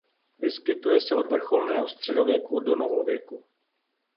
Vyskytuje se od vrcholného středověku do novověku.